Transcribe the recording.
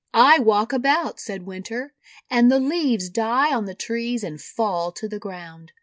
"I walk about," said Winter, "and the leaves die on the trees, and fall to the ground.